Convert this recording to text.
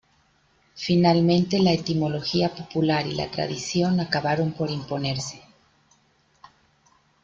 Finalmente la etimología popular y la tradición acabaron por imponerse.